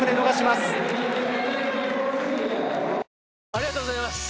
ありがとうございます！